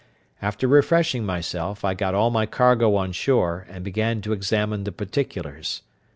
After refreshing myself, I got all my cargo on shore, and began to examine the particulars.